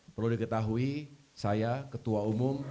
perlu diketahui saya ketua umum